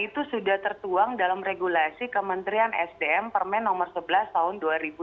itu sudah tertuang dalam regulasi kementerian sdm permen nomor sebelas tahun dua ribu dua puluh